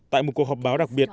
tại một cuộc họp báo đặc biệt